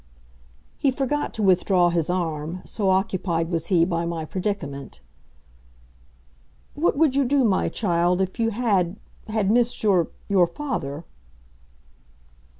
He forgot to withdraw his arm, so occupied was he by my predicament. "What would you do, my child, if you had had missed your your father?"